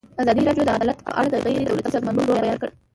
ازادي راډیو د عدالت په اړه د غیر دولتي سازمانونو رول بیان کړی.